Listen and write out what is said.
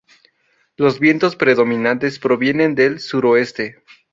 Los vientos predominantes provienen del suroeste.